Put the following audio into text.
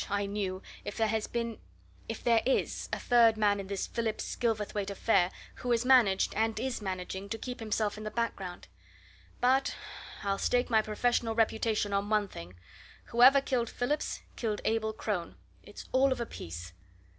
I knew if there has been if there is a third man in this Phillips Gilverthwaite affair who has managed, and is managing, to keep himself in the background. But I'll stake my professional reputation on one thing whoever killed Phillips, killed Abel Crone! It's all of a piece."